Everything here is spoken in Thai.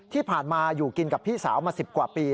ที่ผ่านมาอยู่กินกับพี่สาวมา๑๐กว่าปี